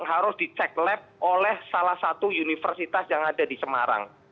harus dicek lab oleh salah satu universitas yang ada di semarang